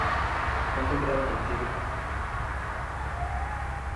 Fue encontrado en el Tíbet.